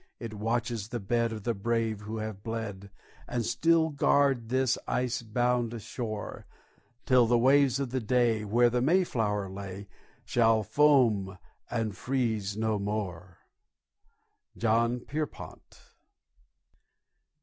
It watches the bed of the brave who have bled, And still guard this ice bound shore, Till the waves of the bay, where the Mayflower lay, Shall foam and freeze no more. JOHN PIERPONT.